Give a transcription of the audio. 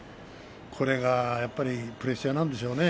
これがプレッシャーなんでしょうね。